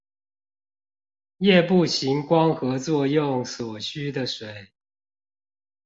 葉部行光合作用所需的水